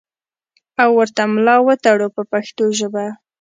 او ورته ملا وتړو په پښتو ژبه.